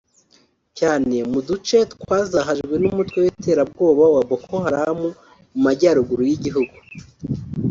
cyane mu duce twazahajwe n’umutwe w’iterabwoba wa Boko Haram mu majyaruguru y’igihugu